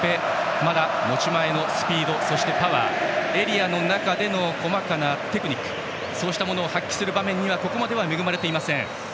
まだ持ち前のスピードそしてパワーエリアの中での細かなテクニックそうしたものを発揮する場面には恵まれていません。